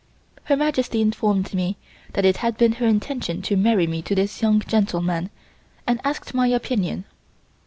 Her Majesty informed me that it had been her intention to marry me to this young gentleman and asked my opinion.